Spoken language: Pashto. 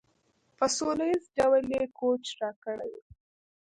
په سوله ایز ډول یې کوچ راکړی وي.